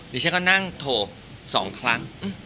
ดิฉันก็นั่งโทร๒ครั้ง